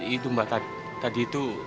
itu mbak tadi itu